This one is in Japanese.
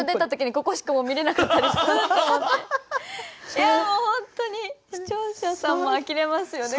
いやもう本当に視聴者さんもあきれますよね